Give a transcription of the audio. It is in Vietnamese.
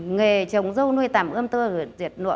ngày chồng dâu nuôi tầm ươm tơ